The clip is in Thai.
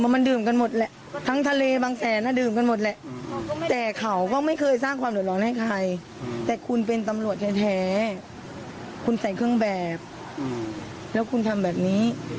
แล้วลองเข้าข้างจัดว่าต้องมีใครมาซื้อของขายไป